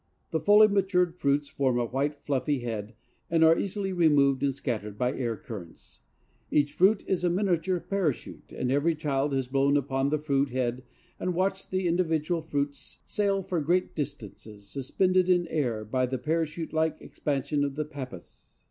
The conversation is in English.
The fully matured fruits form a white, fluffy head and are easily removed and scattered by air currents. Each fruit is a miniature parachute and every child has blown upon the fruit head and watched the individual fruits sail for great distances, suspended in air by the parachute like expansion of the pappus.